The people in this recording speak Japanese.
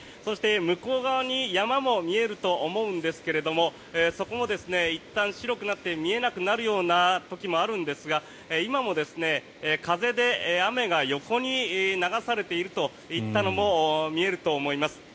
向こう側に山も見えると思うんですがそこもいったん白くなって見えなくなるような時もあるんですが今も風で雨が横に流されているといったのも見えると思います。